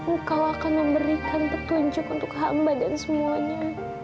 engkau akan memberikan petunjuk untuk hamba dan semuanya